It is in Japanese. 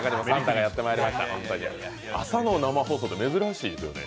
朝の生放送って珍しいですよね？